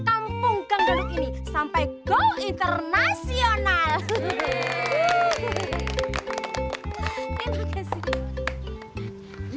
kampung gangdut ini sampai go internasional